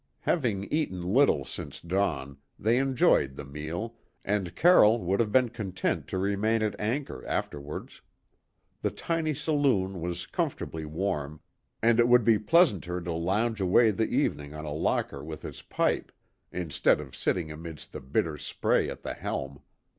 Having eaten little since dawn, they enjoyed the meal, and Carroll would have been content to remain at anchor afterwards. The tiny saloon was comfortably warm, and it would be pleasanter to lounge away the evening on a locker with his pipe, instead of sitting amidst the bitter spray at the helm.